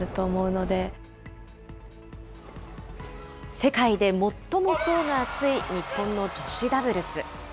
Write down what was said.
世界で最も層が厚い日本の女子ダブルス。